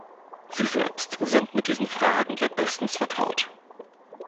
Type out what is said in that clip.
Sie selbst sind mit diesen Fragen ja bestens vertraut.